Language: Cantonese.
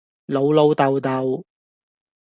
老老竇竇